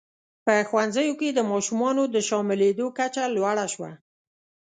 په ښوونځیو کې د ماشومانو د شاملېدو کچه لوړه شوه.